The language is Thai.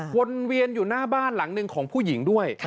วนเวียนอยู่หน้าบ้านหลังหนึ่งของผู้หญิงด้วย